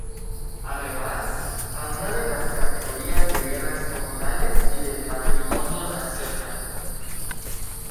Además, añade las categorías de bienes comunales y del Patrimonio Nacional.